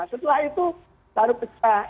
setelah itu lalu pecah